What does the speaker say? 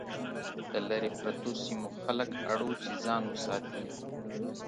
د لرې پرتو سیمو خلک اړ وو چې ځان وساتي.